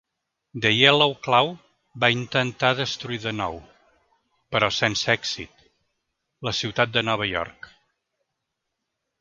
The Yellow Claw va intentar destruir de nou, però sense èxit, la ciutat de Nova York.